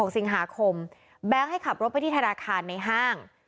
สิงหาคมแบงค์ให้ขับรถไปที่ธนาคารในห้าง